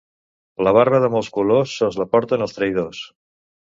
La barba de molts colors sols la porten els traïdors.